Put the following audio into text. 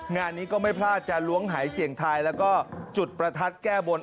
งานนี้ก็ไม่พลาดจะล้วงหายเสียงทายแล้วก็จุดประทัดแก้บน